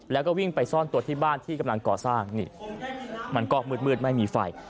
แล้วก็วิ่งไปซ่อนตัวที่บ้านที่กำลังก่อสร้างนี่มันก็มืดไม่มีไฟ